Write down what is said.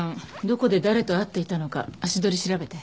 どこで誰と会っていたのか足取り調べて。